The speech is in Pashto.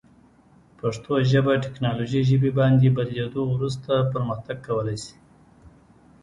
پښتو ژبه تکنالوژي ژبې باندې بدلیدو وروسته پرمختګ کولی شي.